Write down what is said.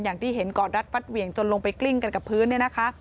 อย่างที่เห็นกรรดรัฐฟัดเหวียงจนลงไปกลิ้งกันกับพื้น